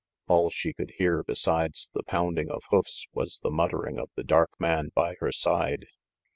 All she could hear besides the pound ing of hoofs was the muttering of the dark man by her side.